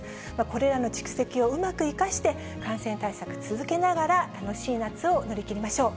これらの蓄積をうまく生かして、感染対策を続けながら楽しい夏を乗り切りましょう。